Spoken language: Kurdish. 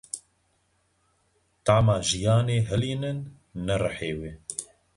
Tama jiyanê hilînin, ne rihê wê.